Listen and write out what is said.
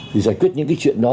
thì giải quyết những cái chuyện đó